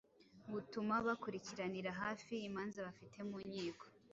butuma bakurikiranira hafi imanza bafite mu nkiko